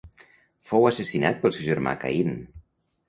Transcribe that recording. Fou assassinat pel seu germà Caín.